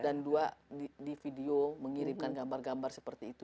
dan dua di video mengirimkan gambar gambar seperti itu